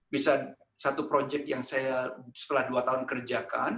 bisa satu proyek yang saya setelah dua tahun kerjakan